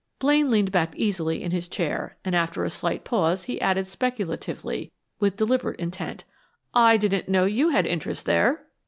Blaine leaned back easily in his chair, and after a slight pause he added speculatively, with deliberate intent, "I didn't know you had interests there!"